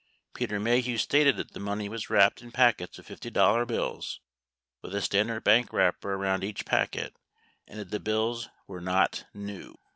Peter Maheu stated that the money was wrapped in packets of 50 bills with a standard bank wrapper around each packet and that the bills were not new.